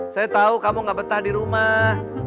saya tahu kamu gak betah di rumah